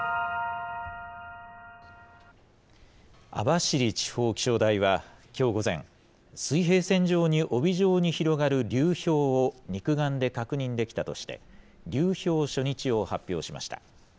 網走地方気象台は、きょう午前、水平線上に帯状に広がる流氷を肉眼で確認できたとして、流氷初日を発表しました。